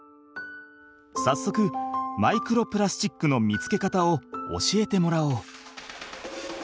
さっそくマイクロプラスチックの見つけ方を教えてもらおう！